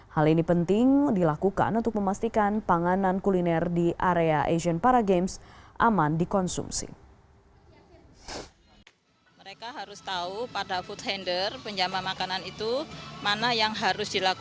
hal ini penting dilakukan untuk memastikan panganan kuliner di area asian para games aman dikonsumsi